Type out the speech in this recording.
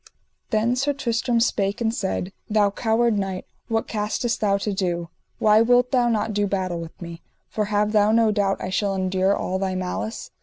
Then Sir Tristram spake and said: Thou coward knight, what castest thou to do; why wilt thou not do battle with me? for have thou no doubt I shall endure all thy malice.